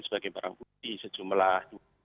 sebagai barang putih sejumlah